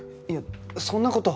いやそんな事。